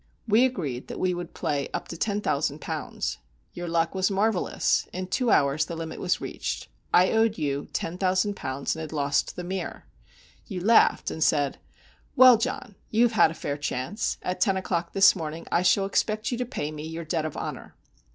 We agreed that we would play up to ten thousand pounds. Your luck was marvellous. In two hours the limit was reached. I owed you ten thousand pounds, and had lost The Mere. You laughed, and said, 'Well, John, you have had a fair chance. At ten o'clock this morning I shall expect you to pay me your debt of honor.